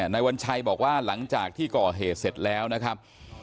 นายวัญชัยบอกว่าหลังจากที่ก่อเหตุเสร็จแล้วนะครับ